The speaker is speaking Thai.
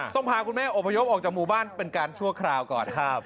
พาคุณแม่อบพยพออกจากหมู่บ้านเป็นการชั่วคราวก่อน